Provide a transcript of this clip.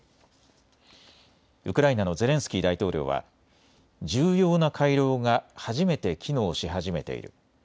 ウクライナのゼレンスキー大統領は重要な回廊が初めて機能し始めている。